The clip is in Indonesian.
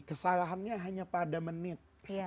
kesalahannya hanya pada menit